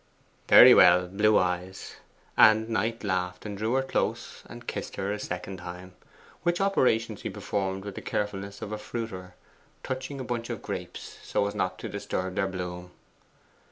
'Very well, blue eyes.' And Knight laughed, and drew her close and kissed her the second time, which operations he performed with the carefulness of a fruiterer touching a bunch of grapes so as not to disturb their bloom.